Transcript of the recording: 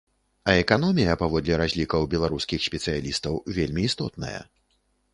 А эканомія, паводле разлікаў беларускіх спецыялістаў, вельмі істотная.